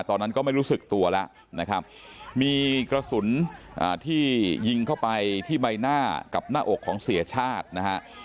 ตอนนั้นก็ไม่รู้สึกตัวแล้วนะครับมีกระสุนที่ยิงเข้าไปที่ใบหน้ากับหน้าอกของเสียชาตินะฮะ